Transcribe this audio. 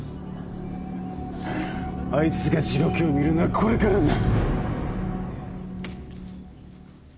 あいつが地獄を見るのはこれからだ。